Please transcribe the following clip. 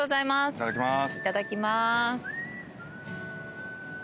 いただきまーす。